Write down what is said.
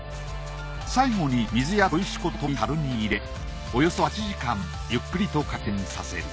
最後に水や砥石粉とともに樽に入れおよそ８時間ゆっくりと回転させる。